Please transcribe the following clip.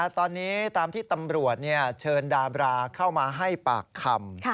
ตอนนี้ตามที่ตำรวจเชิญดาบราเข้ามาให้ปากคำ